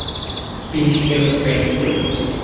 পিঙ্কি কেন প্যান্ট পরে?